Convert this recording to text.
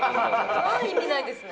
意味ないですね。